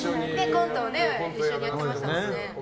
コント一緒にやってましたもんね。